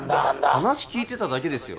話聞いてただけですよ